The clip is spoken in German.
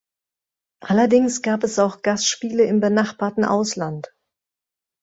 Allerdings gab es auch Gastspiele im benachbarten Ausland.